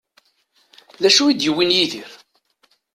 D acu i d-yewwin Yidir?